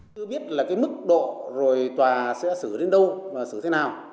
tôi biết là cái mức độ rồi tòa sẽ xử đến đâu mà xử thế nào